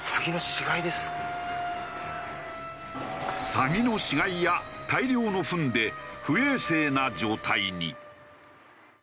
サギの死骸や大量のフンで不衛生な状態に。